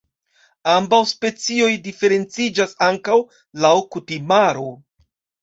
Ambaŭ specioj diferenciĝas ankaŭ laŭ kutimaro.